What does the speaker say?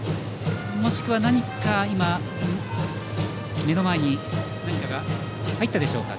もしくは目の前に何かが入ったでしょうか。